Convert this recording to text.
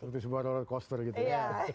seperti sebuah roler coaster gitu ya